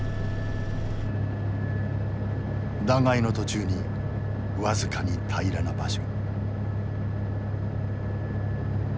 断崖の途中に僅かに平らな場所。